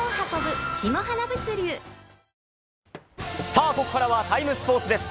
さぁ、ここからは「ＴＩＭＥ，スポーツ」です。